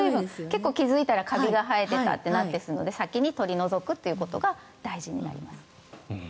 結構、気付いたらカビが生えてたとなるので先に取り除くということが大事になります。